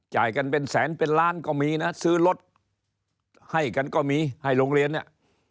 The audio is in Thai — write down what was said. จ่ายกันเป็นแสนเป็นล้านก็มีนะซื้อรถให้กันก็มีให้โรงเรียนเนี่ย